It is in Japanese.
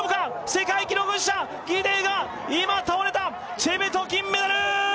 世界記録保持者ギデイが今倒れたチェベト金メダル！